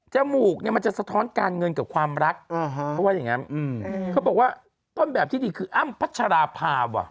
จมูกมันจะสะท้อนการเงินกับความรักเขาบอกว่าต้นแบบที่ดีคืออ้ำพัชราภาว